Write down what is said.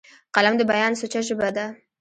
قلم د بیان سوچه ژبه ده